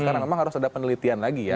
karena memang harus ada penelitian lagi ya